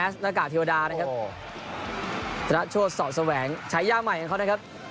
สนัดโชษสอดแสวงใช้ยาใหม่ของเขานะครับ